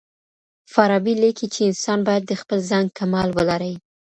فارابي ليکي چي انسان بايد د خپل ځان کمال ولري.